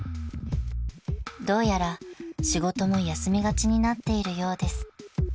［どうやら仕事も休みがちになっているようです］